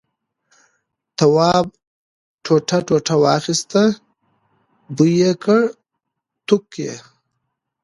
تواب ټوټه واخیسته بوی یې کړ توک یې.